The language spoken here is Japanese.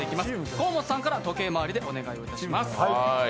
河本さんから時計回りでお願いいたします。